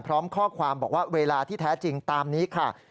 พร้อมข้อความบอกว่าเวลาที่แท้จริงตามนี้ค่ะ